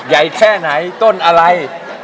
ใหญ่แค่ไหนต้นอะไร